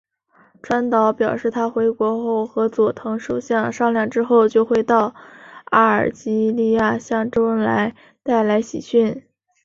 川岛表示他回国后和佐藤首相商量之后就会到阿尔及利亚向周恩来带来喜讯。